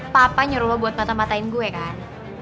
papa nyuruh lo buat mata matain gue kan